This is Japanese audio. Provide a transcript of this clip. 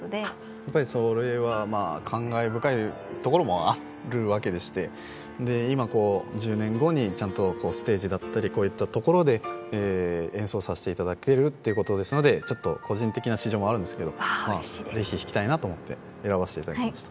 やっぱりそれは感慨深いところもあるわけでして今、１０年後にちゃんとステージだったりこういったところで、演奏をさせていただけるということでちょっと個人的な私情もあるんですがぜひ弾きたいなと思って選ばせていただきました。